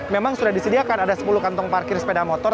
memang sudah disediakan ada sepuluh kantong parkir sepeda motor